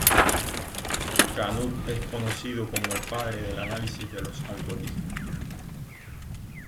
Knuth es conocido como el "padre del análisis de algoritmos".